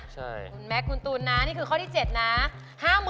คุณแม็กซคุณตูนนะนี่คือข้อที่๗นะ